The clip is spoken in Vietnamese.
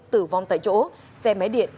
tử vong tại chỗ xe máy điện